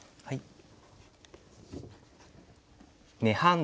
はい。